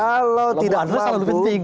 kalau tidak mampu